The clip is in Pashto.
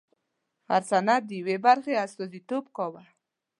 هر سند د یوې برخې استازیتوب کاوه.